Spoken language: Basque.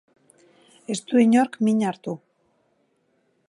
Ez du inork min hartu.